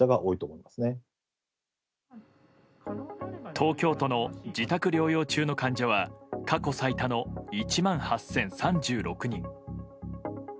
東京都の自宅療養中の患者は過去最多の１万８０３６人。